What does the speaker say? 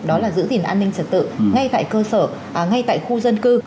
đó là giữ gìn an ninh trật tự ngay tại cơ sở ngay tại khu dân cư